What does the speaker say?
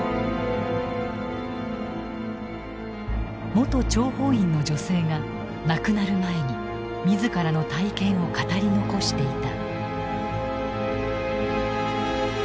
元諜報員の女性が亡くなる前に自らの体験を語り残していた。